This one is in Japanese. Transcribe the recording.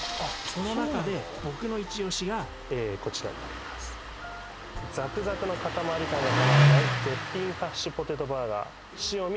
その中で僕のイチオシがこちらになりますザクザクの塊感がたまらない絶品ハッシュドポテトバーガー潮見